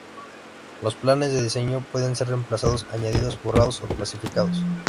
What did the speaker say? Los planes de diseño pueden ser reemplazados, añadidos, borrados o clasificados.